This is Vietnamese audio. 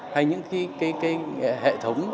hay những cái hệ thống